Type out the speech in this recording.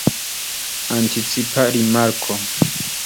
Anticipa rimarko.